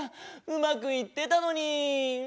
うまくいってたのに。